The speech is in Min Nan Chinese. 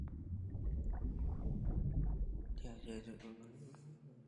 一兼二顧，摸蜊仔兼洗褲